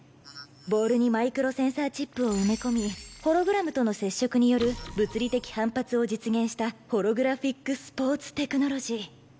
ボールにマイクロセンサーチップを埋め込みホログラムとの接触による物理的反発を実現したホログラフィックスポーツテクノロジー。